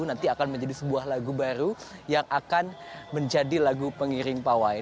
jadi akan menjadi sebuah lagu baru yang akan menjadi lagu pengiring pawai